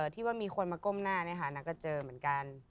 ที่ว่ามีคนมาก้มหน้านางก็เจอเหมือนกัน